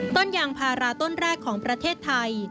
ต้นยางพาราต้นแรกของประเทศไทย